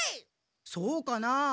そうかなあ。